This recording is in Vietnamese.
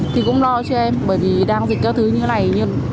thì cũng lo cho em bởi vì đang dịch các thứ như thế này nhưng